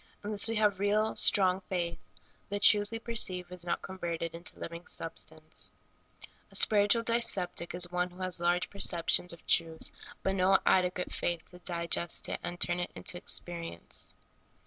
Unless we have real, strong faith, the truth w^e perceive is not converted into living substance. A spiritual dyspeptic is one who has large perceptions of truth, but no adequate faith to digest it and turn it into experience.